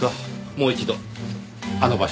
もう一度あの場所に。